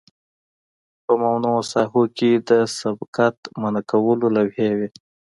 په ممنوعه ساحو کې د سبقت منع کولو لوحې وي